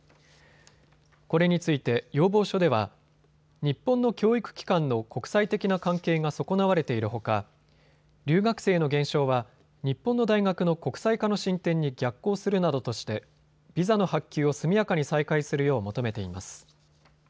これについて要望書では日本の教育機関の国際的な関係が損なわれているほか留学生の減少は日本の大学の国際化の進展に逆行するなどとしてビザの発給を速やかに再開するよう求めています。